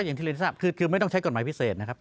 อย่างที่เรียนทราบคือไม่ต้องใช้กฎหมายพิเศษนะครับ